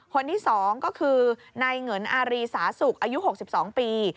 คนที่๒ก็คือนายเหงินอารีสาสุกอายุ๖๒ปี